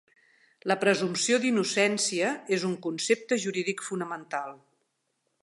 La presumpció d'innocència és un concepte jurídic fonamental.